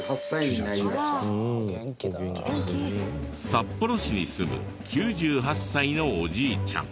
札幌市に住む９８歳のおじいちゃん。